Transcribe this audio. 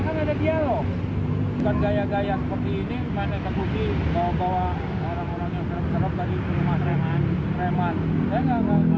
karena kita bukan warga yang